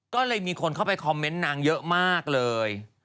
ก็เลยมีคนเข้าไปคอมเมนต์นางเยอะมากเลย